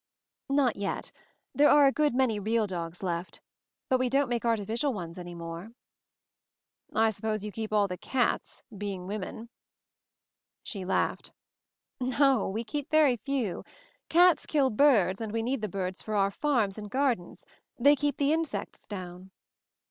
"Not yet. There are a good many real dogs left. But we don't make artificial ones any more." "I suppose you keep all the cats — being women." She laughed. "No; we keep very few. Cats kill birds, and we need the birds for our farms and gardens. They keep the insects down."